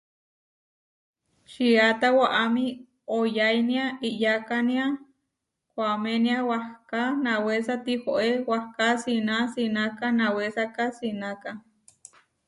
Čiáta waʼámi oyainia iʼyakania, koʼaménia wahká nawésa tihoé wahká, sina sináka nawésaka sináka.